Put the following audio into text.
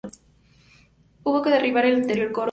Hubo que derribar el anterior coro alto.